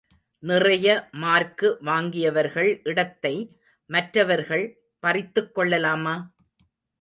நிறைய மார்க்கு வாங்கியவர்கள் இடத்தை மற்றவர்கள் பறித்துக் கொள்ளலாமா?